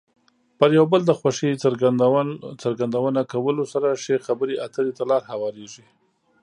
پر یو بل د خوښۍ څرګندونه کولو سره ښې خبرې اترې ته لار هوارېږي.